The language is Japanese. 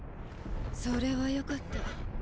それはよかった。